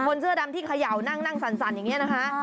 เสื้อดำที่เขย่านั่งสั่นอย่างนี้นะคะ